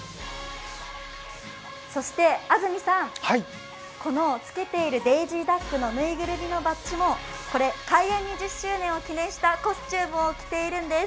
そして安住さん、このつけているデイジーダックのぬいぐるみのバッジもこれ、開園２０周年を記念したコスチュームを着ているんです。